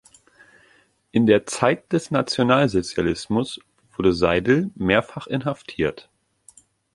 In der Zeit des Nationalsozialismus wurde Seidel mehrfach inhaftiert.